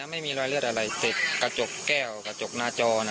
ไม่นะไม่มีรอยเลือดอะไรแต่กระจกแก้วกระจกหน้าจอนะ